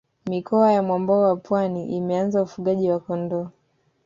mikoa ya mwambao wa pwani imeanza ufugaji wa kondoo